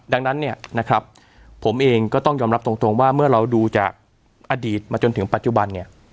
ดังนั้นเนี่ยนะครับผมเองก็ต้องยอมรับตรงว่าเมื่อเราดูจากอดีตมาจนถึงปัจจุบันเนี่ย